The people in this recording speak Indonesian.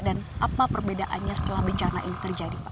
dan apa perbedaannya setelah bencana ini terjadi pak